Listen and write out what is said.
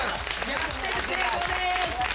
逆転成功です！